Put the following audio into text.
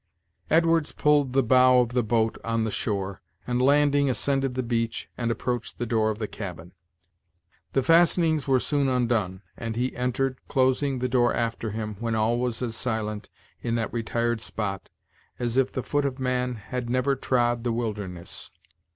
Edwards pulled the bows of the boat on the shore, and landing, ascended the beach and approached the door of the cabin. The fastenings were soon undone, and he entered, closing the door after him, when all was as silent, in that retired spot, as if the foot of man had never trod the wilderness.